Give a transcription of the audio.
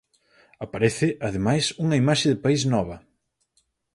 Aparece, ademais, unha imaxe de país nova.